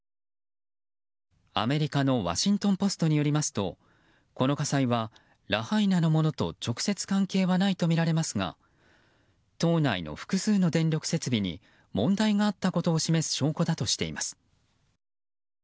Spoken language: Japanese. アメリカのワシントン・ポストによりますとこの火災はラハイナのものと直接関係はないとみられますが島内の複数の電力設備に問題があったことを示す証拠だとしています。